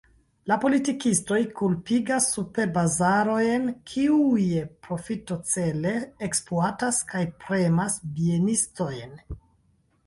La politikistoj kulpigas superbazarojn, kiuj profitocele ekspluatas kaj premas bienistojn.